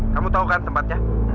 kamu tahu kan tempatnya